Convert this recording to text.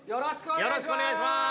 よろしくお願いします